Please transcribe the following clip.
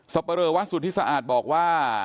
สัปเรอวัสดิ์ที่สะอาดบอกว่า